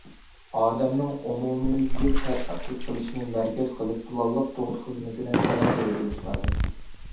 ئادەمنىڭ ئومۇميۈزلۈك تەرەققىي قىلىشىنى مەركەز قىلىپ، پىلانلىق تۇغۇت خىزمىتىنى قانات يايدۇرۇش لازىم.